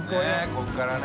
ここからね。